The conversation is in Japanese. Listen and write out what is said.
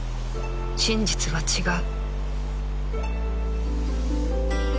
真実は違う